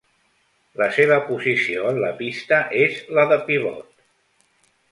La seva posició en la pista és la de pivot.